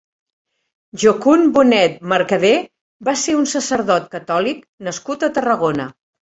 Jocund Bonet Mercadé va ser un sacerdot catòlic nascut a Tarragona.